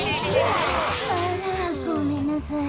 あらごめんなさい。